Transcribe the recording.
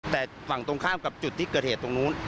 แต่ฝั่งตรงข้ามกับจุดที่เกิดเหตุตรงนู้น